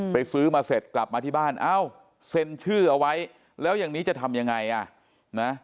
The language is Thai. ซื้อมาเสร็จกลับมาที่บ้านเอ้าเซ็นชื่อเอาไว้แล้วอย่างนี้จะทำยังไงอ่ะนะ